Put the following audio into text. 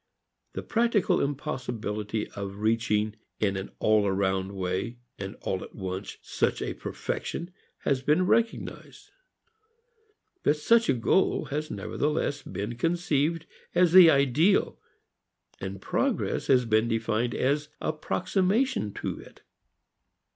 The practical impossibility of reaching, in an all around way and all at once such a "perfection" has been recognized. But such a goal has nevertheless been conceived as the ideal, and progress has been defined as approximation to it.